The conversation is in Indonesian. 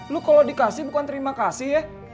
lu kalau dikasih bukan terima kasih ya